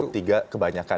dua cukup tiga kebanyakan